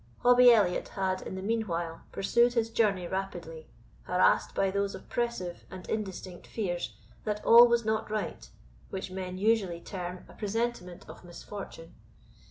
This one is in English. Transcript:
Hobbie Elliot had, in the meanwhile, pursued his journey rapidly, harassed by those oppressive and indistinct fears that all was not right, which men usually term a presentiment of misfortune.